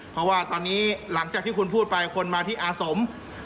เพราะว่าตอนนี้หลังจากที่คุณพูดไปคนมาที่อาสม